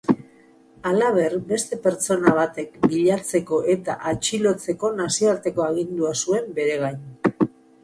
Halaber, beste pertsona batek bilatzeko eta atxilotzeko nazioarteko agindua zuen bere gain.